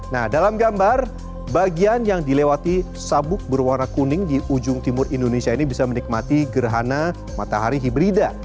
nah dalam gambar bagian yang dilewati sabuk berwarna kuning di ujung timur indonesia ini bisa menikmati gerhana matahari hibrida